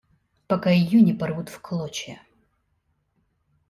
Пока ее не порвут в клочья.